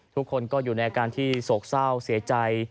ทุกคนก็อยู่ในอาการที่โศกเศร้าเสียใจ